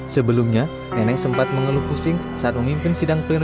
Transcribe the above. sebelumnya nenek sempat mengeluh pusing saat memimpin sidang pleno